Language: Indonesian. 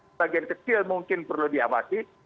sebagian kecil mungkin perlu diawasi